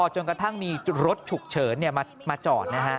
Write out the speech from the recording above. จนกระทั่งมีรถฉุกเฉินมาจอด